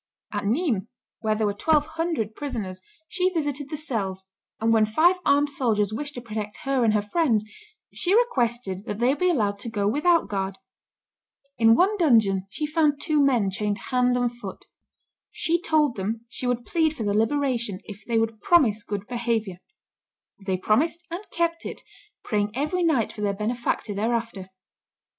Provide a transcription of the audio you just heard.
At Nismes, where there were twelve hundred prisoners, she visited the cells, and when five armed soldiers wished to protect her and her friends, she requested that they be allowed to go without guard. In one dungeon she found two men, chained hand and foot. She told them she would plead for their liberation if they would promise good behavior. They promised, and kept it, praying every night for their benefactor thereafter.